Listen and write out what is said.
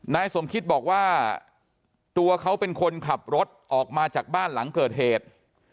นายสมคิตบอกว่าตัวเขาเป็นคนขับรถออกมาจากบ้านหลังเกิดเหตุ